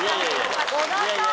小田さん！